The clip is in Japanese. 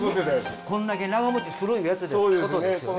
こんだけ長もちするやつってことですよね。